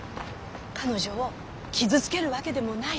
彼女を傷つけるわけでもないし。